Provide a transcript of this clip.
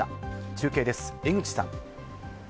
中継です、江口さん。